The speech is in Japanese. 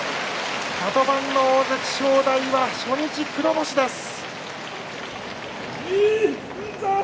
カド番の大関正代は初日黒星です。